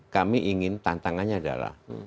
kami ingin tantangannya adalah